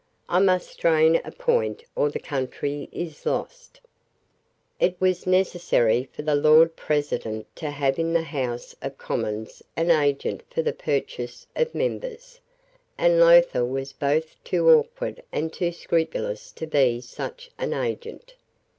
I must strain a point or the country is lost." It was necessary for the Lord President to have in the House of Commons an agent for the purchase of members; and Lowther was both too awkward and too scrupulous to be such an agent.